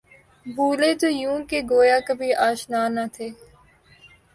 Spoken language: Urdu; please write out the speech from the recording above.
بُھولے تو یوں کہ گویا کبھی آشنا نہ تھے